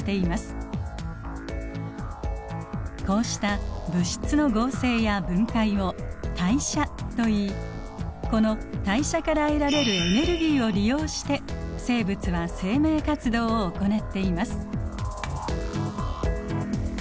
こうした物質の合成や分解を代謝といいこの代謝から得られるエネルギーを利用して生物は生命活動を行っています。